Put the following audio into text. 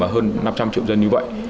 hơn năm trăm linh triệu dân như vậy